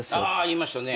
言いましたね。